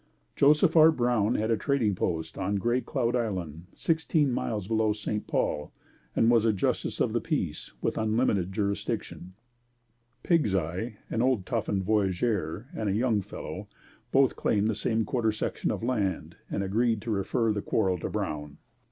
Joseph R. Brown had a trading post on Gray Cloud Island, sixteen miles below St. Paul and was a Justice of the Peace with unlimited jurisdiction. Pigs Eye, an old toughened voyageur and a young fellow, both claimed the same quarter section of land and agreed to refer their quarrel to Brown.